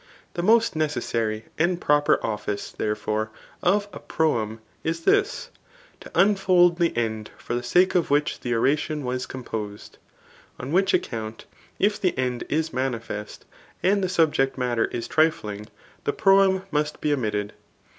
The most necessary and proper officci therefore, of a proem is this, to unfold the end for the sake of which the oration was composed ; on which account, if the end is manifest, and the subject matter is trifluig, the proem must be omitted.